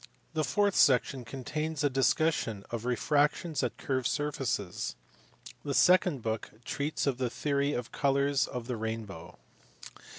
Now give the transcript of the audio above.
The fourth section contains a discussion of refractions at curved surfaces. The second book treats of his theory of colours and of the rainbow.